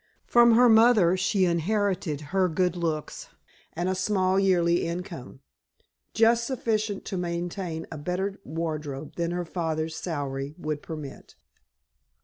From her mother she inherited her good looks and a small yearly income, just sufficient to maintain a better wardrobe than her father's salary would permit.